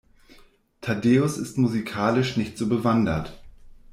Thaddäus ist musikalisch nicht so bewandert.